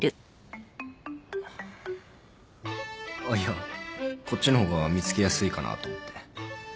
あっいやこっちの方が見つけやすいかなと思って。